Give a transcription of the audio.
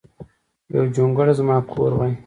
یو جونګړه ځما کور وای